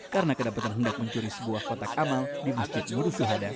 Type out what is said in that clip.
karena kedapatan hendak mencuri sebuah kotak amal di masjid nur suhada